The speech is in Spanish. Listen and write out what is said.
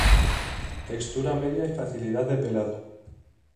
Textura media y facilidad de pelado.